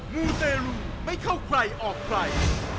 มูเตรลูไม่เข้าใครออกใคร